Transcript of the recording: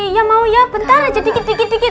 iya mau ya bentar aja dikit dikit dikit